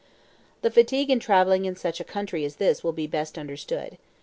The fatigue in traveling in such a country as this will be best understood.